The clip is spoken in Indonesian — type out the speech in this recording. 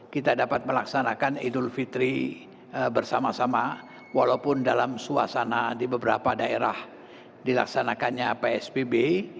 kita dapat melaksanakan idul fitri bersama sama walaupun dalam suasana di beberapa daerah dilaksanakannya psbb